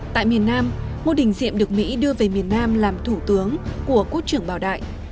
tại miền nam ngô đình diệm được mỹ đưa về miền nam làm thủ tướng của quốc trưởng bảo đại